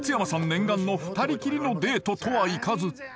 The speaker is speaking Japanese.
念願の２人きりのデートとはいかず。